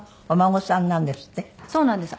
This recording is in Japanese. そうなんです。